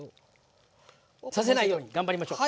させないように頑張りましょう。